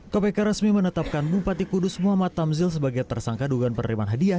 kpk resmi menetapkan bupati kudus muhammad tamzil sebagai tersangka dugaan penerimaan hadiah